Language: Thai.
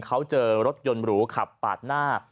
เขาเจอรถยนต์หรูขับปาดหน้า